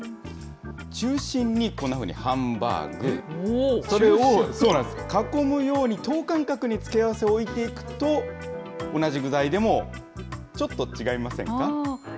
中心にこんなふうにハンバーグ、それを囲むように等間隔に付け合わせを置いていくと、同じ具材でもちょっと違いませんか？